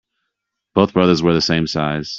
Both brothers wear the same size.